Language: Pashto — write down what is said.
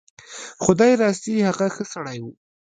خدای راستي هغه ښه سړی و.